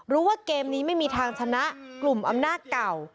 ว่าเกมนี้ไม่มีทางชนะกลุ่มอำนาจเก่า